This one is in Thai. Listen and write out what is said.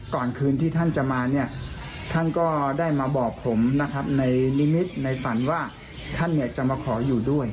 ก่อนคืนที่ท่านจะมาเนี่ยท่านก็ได้มาบอกผมนะครับในนิมิตรในฝันว่าท่านจะมาขออยู่ด้วย